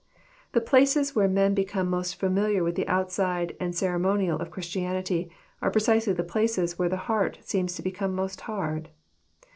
The places where men become most familiar with the outside and ceremonial of Christianity are precisely the places where the heart seems to become most hard.